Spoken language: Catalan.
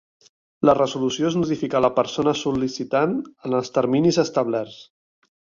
La resolució es notifica a la persona sol·licitant en els terminis establerts.